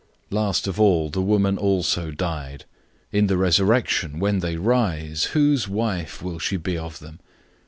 Last of all the woman also died. 012:023 In the resurrection, when they rise, whose wife will she be of them?